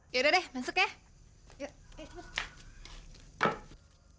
yaudah deh masuk ya